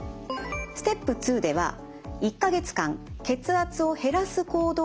ステップ２では１か月間血圧を減らす行動の実践をしていきます。